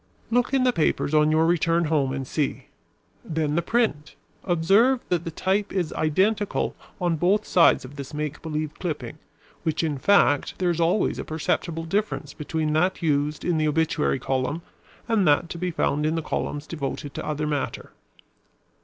"Look in the papers on your return home and see. Then the print. Observe that the type is identical on both sides of this make believe clipping, while in fact there is always a perceptible difference between that used in the obituary column and that to be found in the columns devoted to other matter.